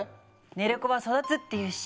寝る子は育つっていうし。